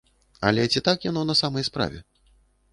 Але ці так яно на самай справе?